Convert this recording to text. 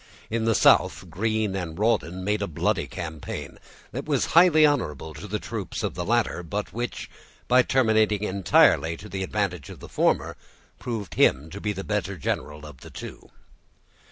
In the South, Greene and Rawdon made a bloody campaign, that was highly honorable to the troops of the latter, but which, by terminating entirely to the advantage of the former, proved him to be the better general of the two.